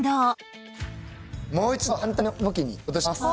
もう一度反対の向きに戻します。